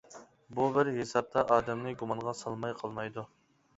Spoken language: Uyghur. بۇ بىر ھېسابتا ئادەمنى گۇمانغا سالماي قالمايدۇ.